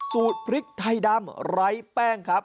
ซูตพริกไทยดำเร้าแป้ง